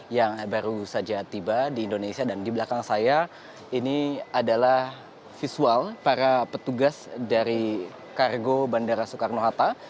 yang baru saja tiba di indonesia dan di belakang saya ini adalah visual para petugas dari kargo bandara soekarno hatta